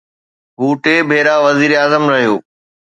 هو ٽي ڀيرا وزيراعظم رهيو.